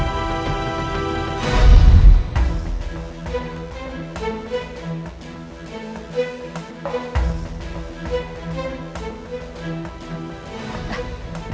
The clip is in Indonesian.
intro tahu sih